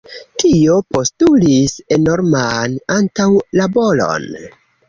Tio postulis enorman antaŭlaboron.